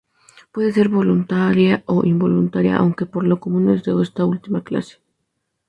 Puede ser voluntaria o involuntaria, aunque por lo común es de esta última clase.